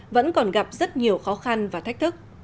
vẫn còn gặp rất nhiều khó khăn và thách thức